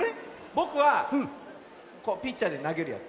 ぼくはピッチャーでなげるやつ。